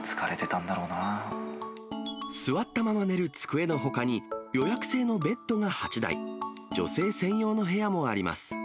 座ったまま寝る机のほかに、予約制のベッドが８台、女性専用の部屋もあります。